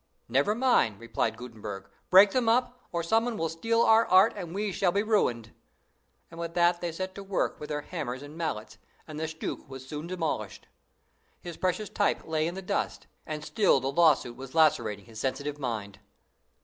"Never mind," replied Gutenberg; "break them up, or some one will steal our art, and we shall be ruined!" and with that they set to work with their hammers and mallets, and the stucke was soon demolished. His precious type lay in the dust, and still the lawsuit was lacerating his sensitive mind.